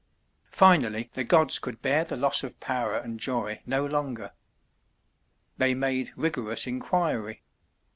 Finally the gods could bear the loss of power and joy no longer. They made rigorous inquiry.